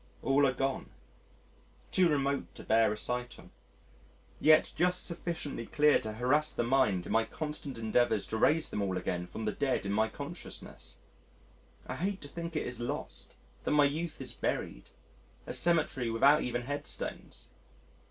all are gone too remote to bear recital yet just sufficiently clear to harass the mind in my constant endeavours to raise them all again from the dead in my consciousness. I hate to think it is lost; that my youth is buried a cemetery without even headstones.